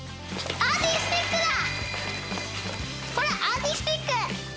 ほらアーティスティック！